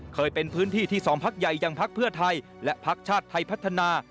เคยเป็นพื้นที่ที่สองพักใหญ่อย่างพักเพื่อไทยและพักชาติไทยพัฒนา